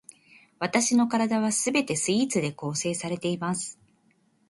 わたしの身体は全てスイーツで構成されています